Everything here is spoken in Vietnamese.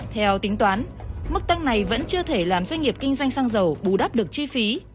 theo tính toán mức tăng này vẫn chưa thể làm doanh nghiệp kinh doanh xăng dầu bù đắp được chi phí